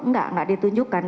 enggak enggak ditunjukkan